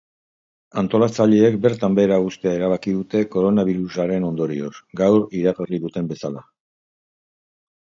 Antolatzaileek bertan behera uztea erabaki dute koronabirusaren ondorioz, gaur iaragrri duten bezala.